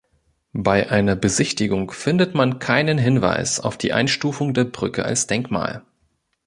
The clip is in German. Bei einer Besichtigung findet man keinen Hinweis auf die Einstufung der Brücke als Denkmal.